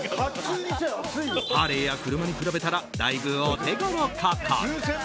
ハーレーや車に比べたらだいぶお手ごろ価格。